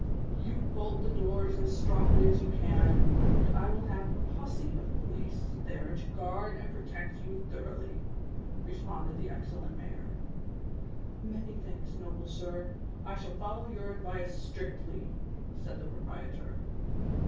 You bolt the doors as strongly as you can, and I will have a posse of police tliere to guard and protect you thoroughly," responded the excellent mayor. '' ]\Iany thanks, noble sir ; I shall follow your advice strictly," said the proprietor.